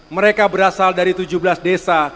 mereka berasal dari tujuh belas desa